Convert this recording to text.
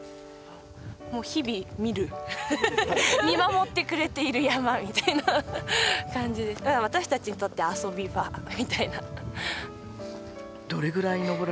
日々見る見守ってくれている山みたいな感じで私たちにとって遊び場みたいな。